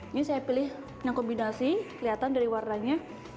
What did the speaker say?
ini saya pilih yang kombinasi kelihatan dari warnanya